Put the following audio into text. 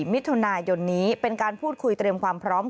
มิถุนายนนี้เป็นการพูดคุยเตรียมความพร้อม